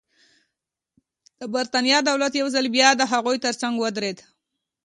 د برېټانیا دولت یو ځل بیا د هغوی ترڅنګ ودرېد.